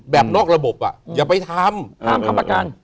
นอกระบบอ่ะอย่าไปทำห้ามค้ำประกัน